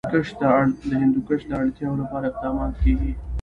د هندوکش د اړتیاوو لپاره اقدامات کېږي.